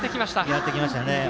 やってきましたね。